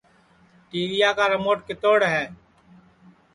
ٹی ویا کا رموٹ کیتوڑ ہے